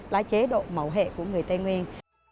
là chế độ mẫu hệ của người tây nguyên